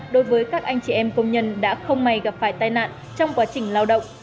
đối với các anh chị em công nhân đã không may gặp phải tai nạn trong quá trình lao động